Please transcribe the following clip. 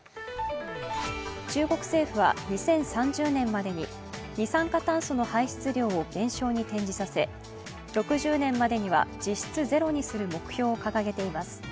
中国政府は２０３０年までに二酸化炭素の排出量を減少に展示させ６０年までには実質ゼロにする目標を掲げています。